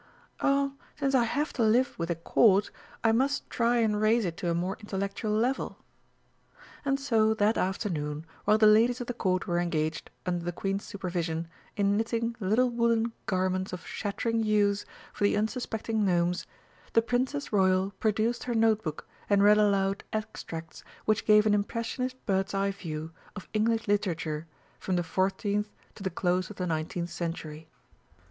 "Oh, since I have to live with a Court, I must try and raise it to a more intellectual level." And so that afternoon, while the ladies of the Court were engaged, under the Queen's supervision, in knitting little woollen garments of shattering hues for the unsuspecting Gnomes, the Princess Royal produced her note book and read aloud extracts which gave an impressionist bird's eye view of English Literature from the fourteenth to the close of the nineteenth Century.